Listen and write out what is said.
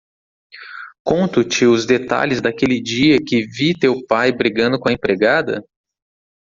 conto-te os detalhes daquele dia que vi teu pai brigando com a empregada?